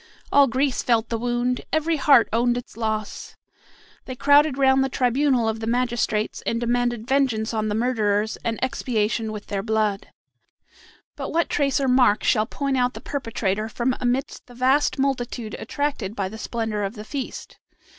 All Greece felt the wound, every heart owned its loss. They crowded round the tribunal of the magistrates, and demanded vengeance on the murderers and expiation with their blood. But what trace or mark shall point out the perpetrator from amidst the vast multitude attracted by the splendor of the feast?